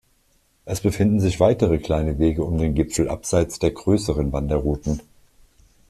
Es befinden sich weitere, kleine Wege um den Gipfel abseits der größeren Wanderrouten.